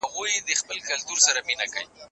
زه اوږده وخت ليک لولم وم؟